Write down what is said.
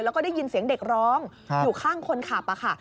แล้วก็ได้ยินเสียงเด็กร้องอยู่ข้างคนขับค่ะ